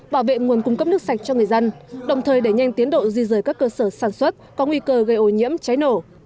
bảo vệ nguồn cung cấp nước sạch cho người dân đồng thời để nhanh tiến độ di rời các cơ sở sản xuất có nguy cơ gây ô nhiễm cháy nổ